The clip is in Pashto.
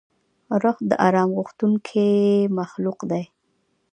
روح د آرام غوښتونکی مخلوق دی.